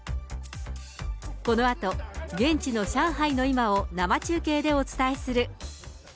このあと、現地の上海の今を生中継でお伝えする。